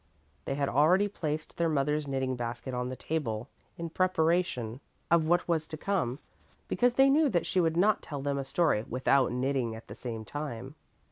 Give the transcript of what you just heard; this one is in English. They had already placed their mother's knitting basket on the table in preparation of what was to come, because they knew that she would not tell them a story without knitting at the same time.